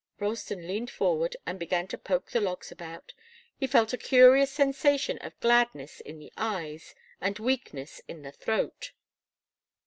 Ralston leaned forward and began to poke the logs about. He felt a curious sensation of gladness in the eyes, and weakness in the throat.